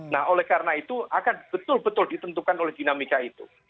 nah oleh karena itu akan betul betul ditentukan oleh dinamika itu